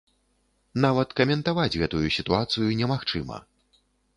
Нават каментаваць гэтую сітуацыю немагчыма.